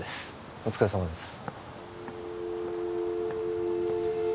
お疲れさまです